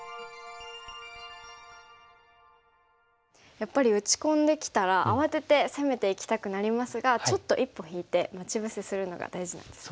やっぱり打ち込んできたら慌てて攻めていきたくなりますがちょっと一歩引いて待ち伏せするのが大事なんですね。